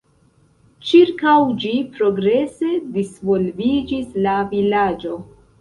Ĉirkaŭ ĝi progrese disvolviĝis la vilaĝo.